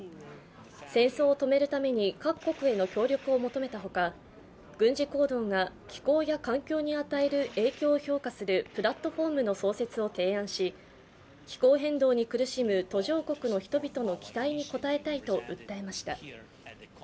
戦争を止めるために各国への協力を求めたほか、軍事行動が気候や環境に与える影響を評価するプラットフォームの創設を提案し、気候変動に苦しむ途上国の人々の期待に応えたいと訴えました。